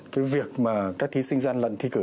cái việc mà các thí sinh gian lận thi cử